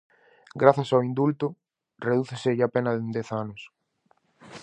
Grazas ao indulto, redúceselle a pena en dez anos.